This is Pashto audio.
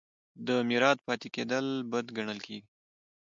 د میرات پاتې کیدل بد ګڼل کیږي.